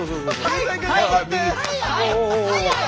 はい！